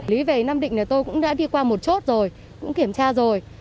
lý về nam định là tôi cũng đã đi qua một chốt rồi cũng kiểm tra rồi